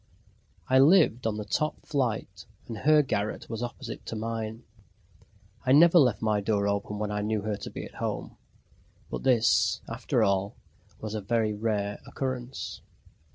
I lived on the top flight and her garret was opposite to mine. I never left my door open when I knew her to be at home. But this, after all, was a very rare occurrence.